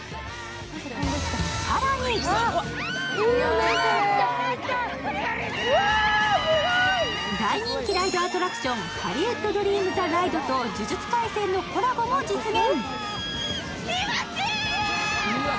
更に大人気アトラクション、ハリウッド・ドリーム・ザ・ライドと「呪術廻戦」のコラボも実現。